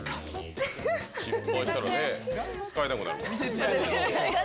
失敗したら使えなくなるから。